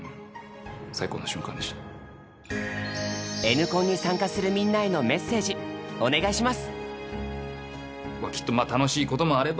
「Ｎコン」に参加するみんなへのメッセージお願いします！